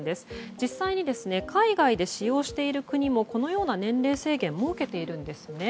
実際に海外で使用している国もこのような年齢制限を設けているんですよね。